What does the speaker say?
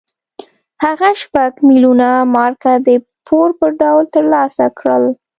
هغه شپږ میلیونه مارکه د پور په ډول ترلاسه کړل.